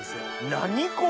何これ！